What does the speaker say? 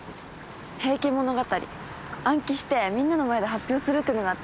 『平家物語』暗記してみんなの前で発表するってのがあって。